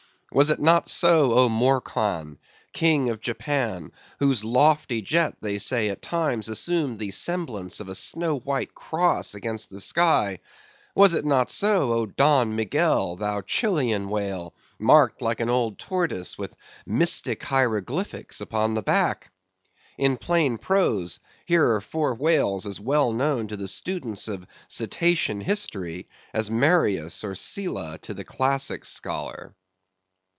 Was it not so, O Morquan! King of Japan, whose lofty jet they say at times assumed the semblance of a snow white cross against the sky? Was it not so, O Don Miguel! thou Chilian whale, marked like an old tortoise with mystic hieroglyphics upon the back! In plain prose, here are four whales as well known to the students of Cetacean History as Marius or Sylla to the classic scholar.